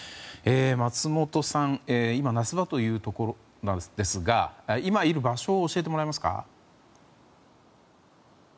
松本さん、今夏だということなんですが今いる場所を教えてもらえますか？